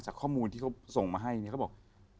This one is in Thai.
จากข้อมูลที่เขาส่งมาให้ก็บอก